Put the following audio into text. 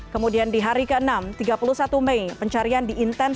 kemudian di hari ke enam tiga puluh satu mei pencarian di intens